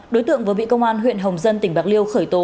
đối tượng vừa bị công an huyện hồng dân tỉnh bạc liêu khởi tố